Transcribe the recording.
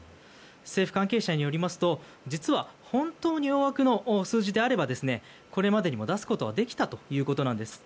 政府関係者によりますと実は本当に大枠の数字であればこれまでにも出すことはできたということです。